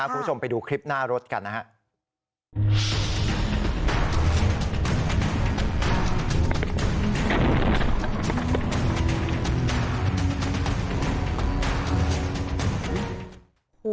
คุณผู้ชมไปดูคลิปหน้ารถกันนะครับ